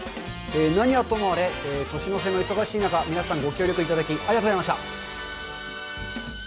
何はともあれ、年の瀬の忙しい中、皆さん、ご協力いただき、ありがとうございました。